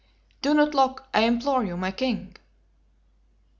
"Do not look, I implore you, my king."